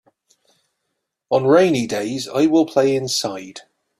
On rainy days I will play inside.